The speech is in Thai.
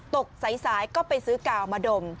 ตกสายก็ไปซื้อกาวมาดม